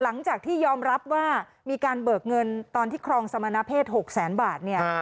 หลังจากที่ยอมรับว่ามีการเบิกเงินตอนที่ครองสมณเพศ๖แสนบาทเนี่ย